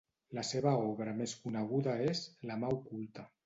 La seva obra més coneguda és "La mà oculta".